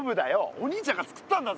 お兄ちゃんが作ったんだぞ。